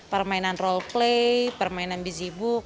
permainan role play permainan gizi book